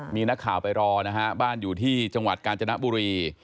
มีนักข่าวไปรอนะฮะบ้านอยู่ที่จังหวัดกาญจนบุรี